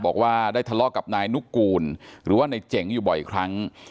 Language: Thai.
บอกว่าได้ทะเลาะกับนายนุกูลหรือว่าในเจ๋งอยู่บ่อยครั้ง